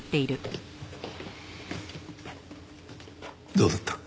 どうだった？